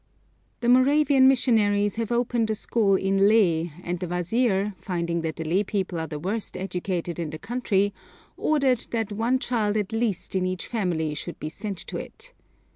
The Moravian missionaries have opened a school in Leh, and the wazir, finding that the Leh people are the worst educated in the country, ordered that one child at least in each family should be sent to it.